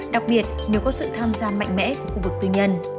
đặc biệt nhiều có sự tham gia mạnh mẽ của khu vực tuyên nhân